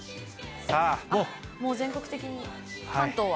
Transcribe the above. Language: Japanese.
もう全国的に、関東は。